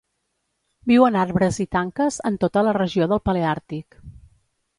Viu en arbres i tanques en tota la regió del Paleàrtic.